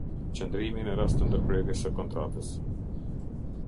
Qëndrimi në rast të ndërprerjes së kontratës.